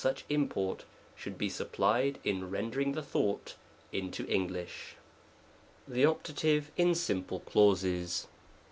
such import should be supplied in rendering the thought into English. THE OPTATIVE IN SIMPLE CLAUSES.